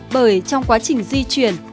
bởi trong quá trình di chuyển